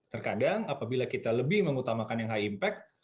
terkadang apabila kita lebih mengutamakan yang high impact